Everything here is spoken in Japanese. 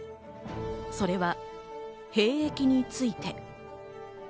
それは兵役について。